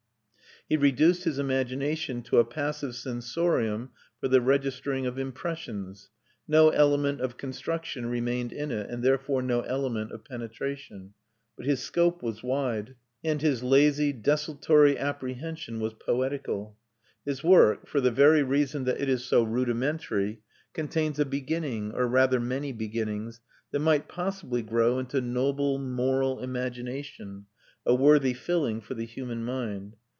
He reduced his imagination to a passive sensorium for the registering of impressions. No element of construction remained in it, and therefore no element of penetration. But his scope was wide; and his lazy, desultory apprehension was poetical. His work, for the very reason that it is so rudimentary, contains a beginning, or rather many beginnings, that might possibly grow into a noble moral imagination, a worthy filling for the human mind.